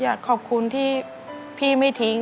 อยากขอบคุณที่พี่ไม่ทิ้ง